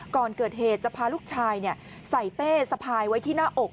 ก่อนเกิดเหตุจะพาลูกชายใส่เป้สะพายไว้ที่หน้าอก